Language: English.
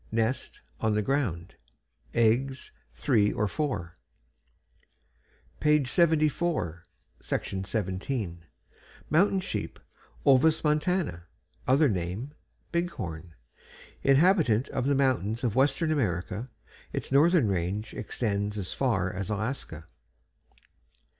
NEST On the ground. EGGS Three or four. Page 74. =MOUNTAIN SHEEP.= Ovis Montana. Other name: "Bighorn." Inhabitant of the mountains of western America. Its northern range extends as far as Alaska.